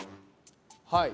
はい。